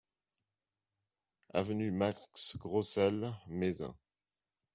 Avenue Max Grosselle, Mézin